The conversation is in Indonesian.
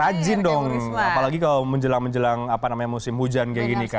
rajin dong apalagi kalau menjelang menjelang musim hujan kayak gini kan